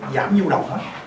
giảm dự động á